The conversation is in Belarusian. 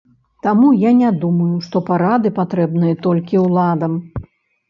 Таму я не думаю, што парады патрэбныя толькі ўладам.